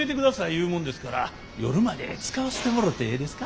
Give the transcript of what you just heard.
言うもんですから夜まで使わせてもろてええですか？